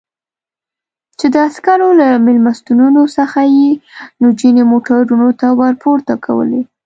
چې د عسکرو له مېلمستونونو څخه یې نجونې موټرونو ته ور پورته کولې.